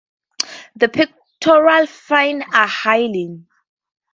The pectoral fins are hyaline.